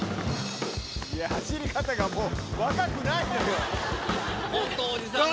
走り方がもう若くないでしょ。